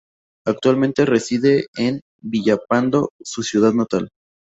Actualmente reside en Villalpando, su ciudad natal.